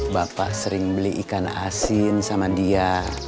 bapak sering beli ikan asin sama dia